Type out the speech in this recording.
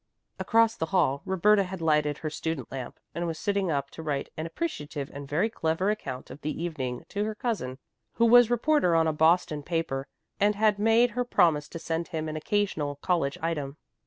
Across the hall Roberta had lighted her student lamp and was sitting up to write an appreciative and very clever account of the evening to her cousin, who was reporter on a Boston paper and had made her promise to send him an occasional college item.